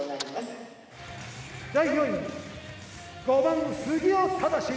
第４位５番杉尾忠。